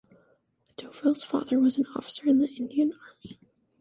Doval's father was an officer in the Indian Army.